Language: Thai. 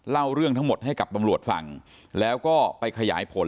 เล่าเรื่องทั้งหมดให้กับตำรวจฟังแล้วก็ไปขยายผล